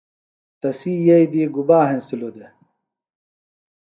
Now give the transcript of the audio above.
تسی یئی دی گُبا ہنسِلوۡ دےۡ؟